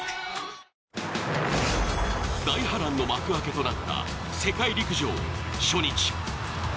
大波乱の幕開けとなった世界陸上初日。